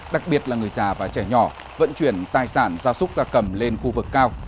đặc biệt là người già và trẻ nhỏ vận chuyển tài sản gia súc gia cầm lên khu vực cao